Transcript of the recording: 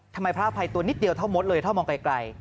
พระอภัยตัวนิดเดียวเท่ามดเลยถ้ามองไกล